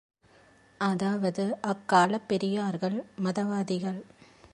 அதாவது அக்காலப் பெரியார்கள் மதவாதிகள்!